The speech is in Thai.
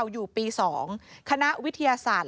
อยู่ปี๒คณะวิทยาศาสตร์